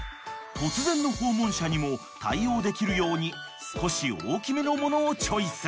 ［突然の訪問者にも対応できるように少し大きめのものをチョイス］